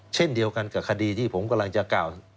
เช่นเดียวกันกับคดีที่ผมกำลังจะกล่าว